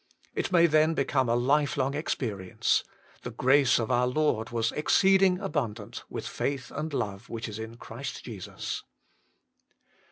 It may then become a lifelong experience :" The grace of our Lord was exceeding abundant, with faith and love which is in Christ Jesus."